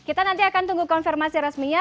kita nanti akan tunggu konfirmasi resminya